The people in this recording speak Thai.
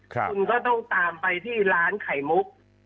คุณก็ต้องตามไปที่ร้านไข่มุก